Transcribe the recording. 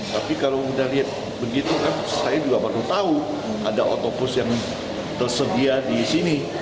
tapi kalau udah lihat begitu kan saya juga baru tahu ada otopus yang tersedia di sini